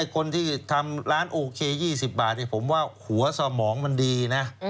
คนที่ทำร้านโอเค๒๐บาทผมว่าหัวสมองมันดีนะ